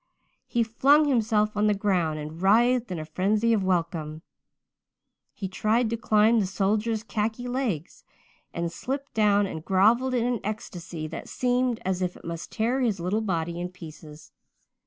He flung himself on the ground and writhed in a frenzy of welcome. He tried to climb the soldier's khaki legs and slipped down and groveled in an ecstasy that seemed as if it must tear his little body in pieces.